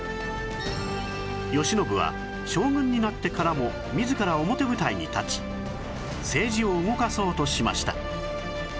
慶喜は将軍になってからも自ら表舞台に立ち政治を動かそうとしました